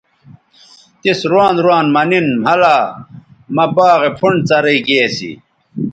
تس روان روان مہ نِن مھلا مہ باغے پھنڈ څرئ گے اسی